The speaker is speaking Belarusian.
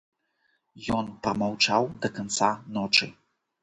Ён прамаўчаў да канца ночы.